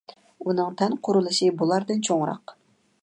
ئۇنىڭ تەن قۇرۇلۇشى بۇلاردىن چوڭراق.